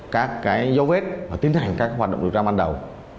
các dấu vết và tiến hành các hoạt động điều tra ban đầu